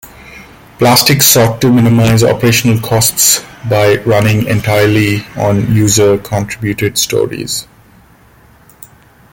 Plastic sought to minimize operational costs by running entirely on user-contributed stories.